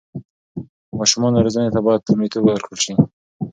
د ماشومانو روزنې ته باید لومړیتوب ورکړل سي.